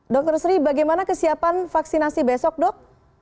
dr sri bagaimana kesiapan vaksinasi besok dok